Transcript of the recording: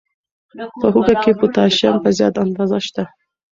په هوږه کې پوتاشیم په زیاته اندازه شته.